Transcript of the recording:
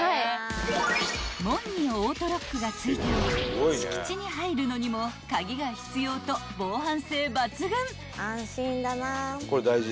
［門にオートロックがついており敷地に入るのにも鍵が必要と防犯性抜群］